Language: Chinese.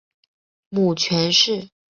母权氏。